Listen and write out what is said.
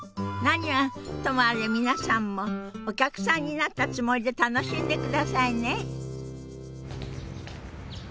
何はともあれ皆さんもお客さんになったつもりで楽しんでくださいね。